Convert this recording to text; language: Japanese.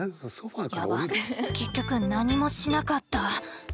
やば結局何もしなかった。